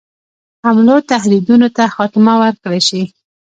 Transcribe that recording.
حملو تهدیدونو ته خاتمه ورکړه شي.